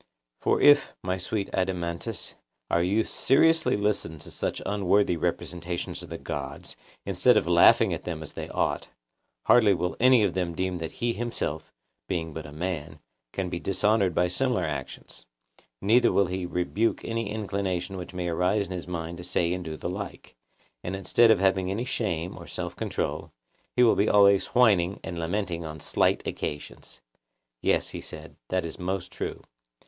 For if, my sweet Adeimantus, our youth seriously listen to such unworthy representations of the gods, instead of laughing at them as they ought, hardly will any of them deem that he himself, being but a man, can be dishonoured by similar actions; neither will he rebuke any inclination which may arise in his mind to say and do the like. And instead of having any shame or self control, he will be always whining and lamenting on slight occasions. Yes, he said, that is most true.